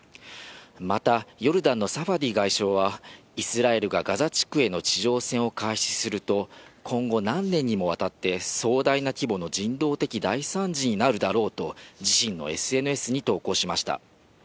また、ヨルダンのサファディ外相は、イスラエルがガザ地区への地上戦を開始すると、今後、何年にもわたって壮大な規模の人道的大惨事になるだろうと、自身のＳＮＳに投稿しました。